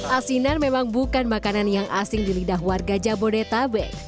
asinan memang bukan makanan yang asing di lidah warga jabodetabek